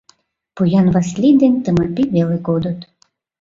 Поян Васлий ден Тымапий веле кодыт.